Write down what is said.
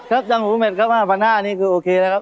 ครับจังหูเม็ดครับ๕๕๐๐บาทนี่คือโอเคนะครับ